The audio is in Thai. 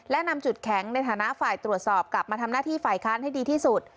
และนำจุดแข็งในฐานะฝ่ายตรวจสอบกลับมาทำหน้าที่ฝ่ายค้านให้ดีที่สุด